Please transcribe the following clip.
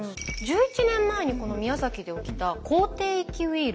１１年前にこの宮崎で起きた口てい疫ウイルス。